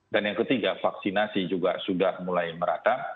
dan yang ketiga vaksinasi juga sudah mulai merata